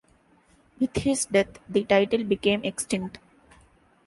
With his death the title became extinct.